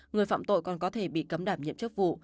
người phạm tội còn có thể bị cấm đảm nhiệm chức vụ